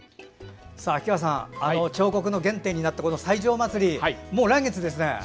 秋川さん、彫刻の原点になった西条まつり、もう来月ですね。